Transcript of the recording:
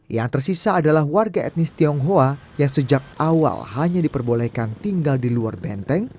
yang tersisa adalah warga etnis tionghoa yang sejak awal hanya diperbolehkan tinggal di luar benteng